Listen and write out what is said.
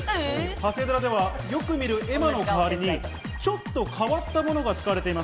長谷寺ではよく見る絵馬の代わりにちょっと変わったものが使われています。